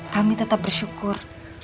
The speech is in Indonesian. kami tetap bersyukur